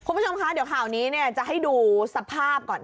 คุณผู้ชมคะเดี๋ยวข่าวนี้จะให้ดูสภาพก่อน